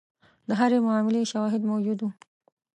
د هرې معاملې شواهد موجود وو.